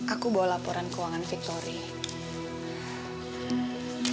aku bawa laporan keuangan victory